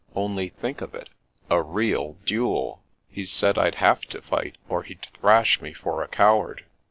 Only think of it, a real dud f He said I'd have to fight, or he'd thrash me for a coward.